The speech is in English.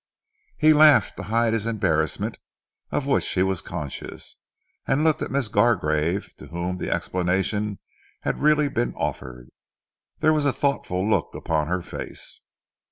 He laughed to hide his embarrassment of which he was conscious, and looked at Miss Gargrave to whom the explanation had really been offered. There was a thoughtful look upon her face.